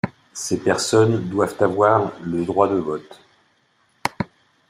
Ces personnes doivent avoir le droit de vote.